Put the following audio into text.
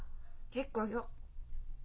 結構よ。